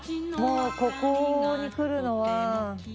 もうここに来るのは。